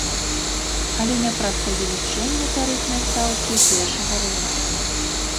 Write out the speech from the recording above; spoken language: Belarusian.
Але не праз павелічэнне тарыфнай стаўкі першага разраду.